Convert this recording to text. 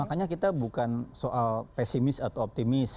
makanya kita bukan soal pesimis atau optimis